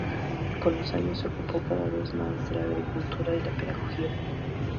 Con los años se ocupó cada vez más de la agricultura y la pedagogía.